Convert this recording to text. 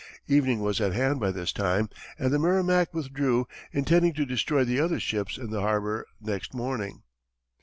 Evening was at hand by this time, and the Merrimac withdrew, intending to destroy the other ships in the harbor next morning.